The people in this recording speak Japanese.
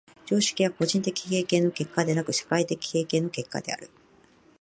常識は個人的経験の結果でなく、社会的経験の結果である。